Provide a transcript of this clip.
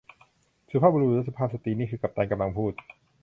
สุภาพบุรุษและสุภาพสตรี นี่คือกัปตันกำลังพูด